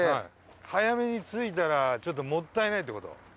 早めに着いたらちょっともったいないってこと？